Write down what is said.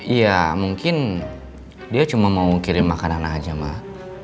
iya mungkin dia cuma mau kirim makanan aja mah